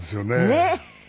ねえ。